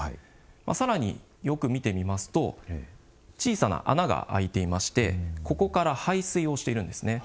さらに、よく見てみますと小さな穴が開いていましてここから排水をしているんです。